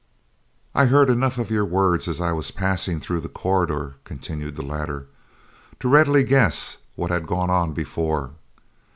"I heard enough of your words as I was passing through the corridor," continued the latter, "to readily guess what had gone before.